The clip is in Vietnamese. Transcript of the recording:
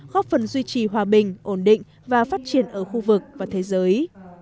góp phần duy trì hòa bình ổn định và phát triển ở khu vực và thế giới